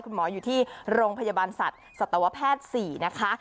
คุณหมออยู่ที่โรงพยาบาลสัตว์สัตวแพทย์๔นะคะ